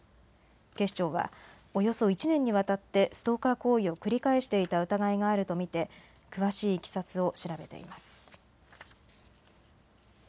警視庁は、およそ１年にわたってストーカー行為を繰り返していた疑いがあると見て詳しいいきさつを調べています。